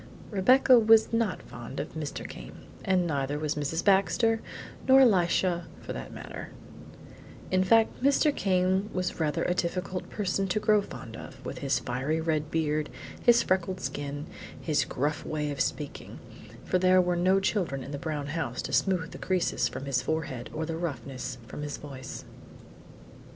Rebecca was not fond of Mr. Came, and neither was Mrs. Baxter, nor Elisha, for that matter; in fact Mr. Came was rather a difficult person to grow fond of, with his fiery red beard, his freckled skin, and his gruff way of speaking; for there were no children in the brown house to smooth the creases from his forehead or the roughness from his voice.